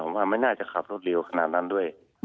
ผมว่าไม่น่าจะขับรถเร็วขนาดนั้นด้วย